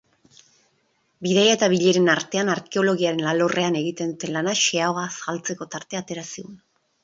Bidaia eta bileren artean, arkeologiaren alorrean egiten duten lana xeheago azaltzeko tartea atera zigun.